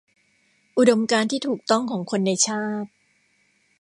อุดมการณ์ที่ถูกต้องของคนในชาติ